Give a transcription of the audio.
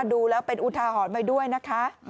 ดูแล้วเป็นอุทาหรณ์ไว้ด้วยนะคะ